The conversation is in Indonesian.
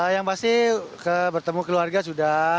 yang pasti bertemu keluarga sudah